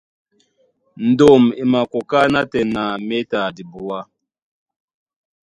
Ndôm e makoká nátɛna méta dibuá.